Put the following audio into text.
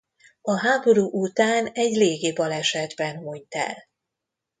A háború után egy légi balesetben hunyt el.